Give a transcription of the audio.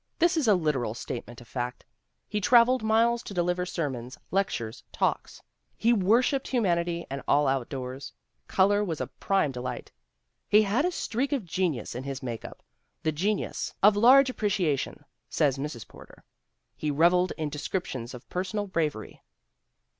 This is a literal statement of fact. He traveled miles to deliver sermons, lec tures, talks. He worshiped humanity and all out doors. Color was a prime delight. " 'He had a streak of genius in his makeup, the genius of large apprecia 92 THE WOMEN WHO MAKE OUR NOVELS tion,' " says Mrs. Porter. He reveled in descriptions of personal bravery.